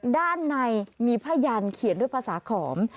ด้านในมีผ้ายันเขียนด้วยภาษาขอม